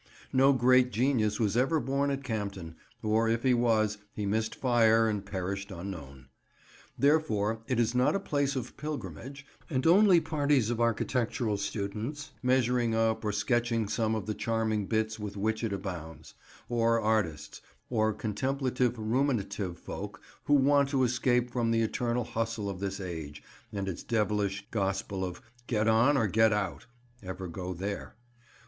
No great genius was ever born at Campden, or if he was, he missed fire and perished unknown. Therefore it is not a place of pilgrimage, and only parties of architectural students, measuring up or sketching some of the charming bits with which it abounds; or artists, or contemplative ruminative folk who want to escape from the eternal hustle of this age and its devilish gospel of "get on or get out" ever go there.